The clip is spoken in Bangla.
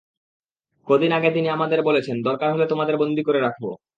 কদিন আগে তিনি আমাদের বলেছেন, দরকার হলে তোমাদের বন্দী করে রাখব।